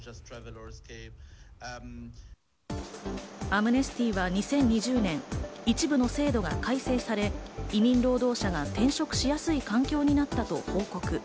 アムネスティは２０２０年、一部の制度が改正され、移民労働者が転職しやすい環境になったと報告。